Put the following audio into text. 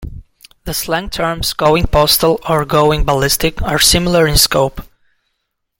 The slang terms "going postal" or "going ballistic" are similar in scope.